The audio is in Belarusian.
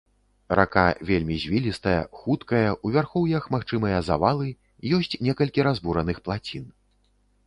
Рака вельмі звілістая, хуткая, у вярхоўях магчымыя завалы, ёсць некалькі разбураных плацін.